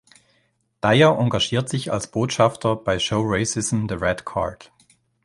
Dyer engagiert sich als Botschafter bei Show Racism the Red Card.